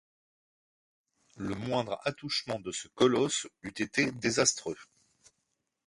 Le moindre attouchement de ce colosse eût été désastreux.